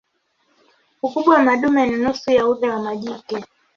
Ukubwa wa madume ni nusu ya ule wa majike.